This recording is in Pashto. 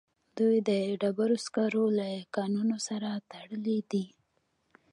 دوی د ډبرو سکارو له کانونو سره تړلي دي